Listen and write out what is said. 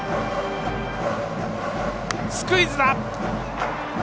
スクイズだ！